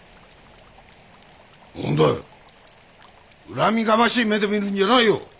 恨みがましい目で見るんじゃないよ！